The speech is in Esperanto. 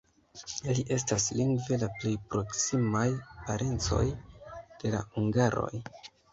Ili estas lingve la plej proksimaj parencoj de la hungaroj.